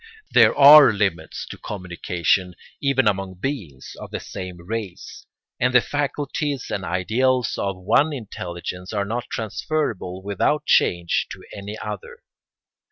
There are limits to communication even among beings of the same race, and the faculties and ideals of one intelligence are not transferable without change to any other.